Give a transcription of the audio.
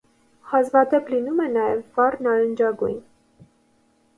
Հազվադեպ լինում է նաև վառ նարնջագույն։